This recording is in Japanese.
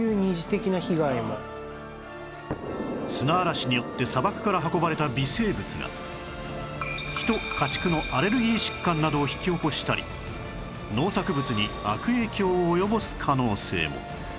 砂嵐によって砂漠から運ばれた微生物が人家畜のアレルギー疾患などを引き起こしたり農作物に悪影響を及ぼす可能性も